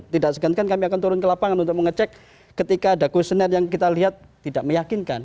tidak segantikan kami akan turun ke lapangan untuk mengecek ketika ada questionnai yang kita lihat tidak meyakinkan